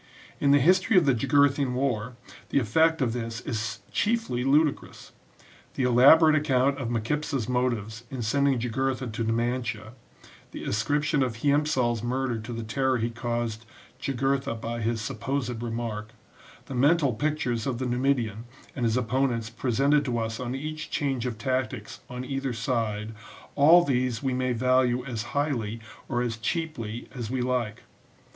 In the history of the Jugurthine War the effect of this is chiefly ludicrous. The elabor ate account of Micipsa's motives in sending Jugurtha to Numantia, the ascription of Hiempsal's murder to the terror he caused Jugurtha by his supposed remark, XIV NOTE ON SALLUST. the mental pictures of the Numidian and his opponents presented to us on each change of tactics on either side — all these we may value as highly or as cheaply as we like.